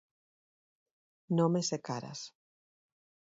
Nomes e caras.